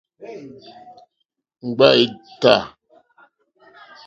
Ŋɡbâ í tâ.